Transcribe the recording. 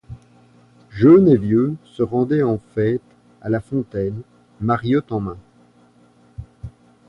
Jeunes et vieux se rendaient en fête à la fontaine, mariottes en main.